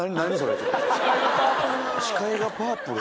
視界がパープル。